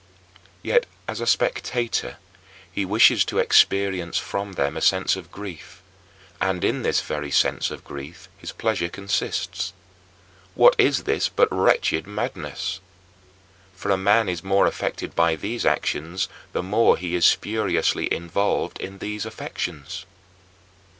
Yet, as a spectator, he wishes to experience from them a sense of grief, and in this very sense of grief his pleasure consists. What is this but wretched madness? For a man is more affected by these actions the more he is spuriously involved in these affections.